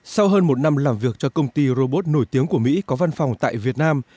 sau hơn một năm làm việc cho công ty robot nổi tiếng của mỹ có văn phòng tại việt nam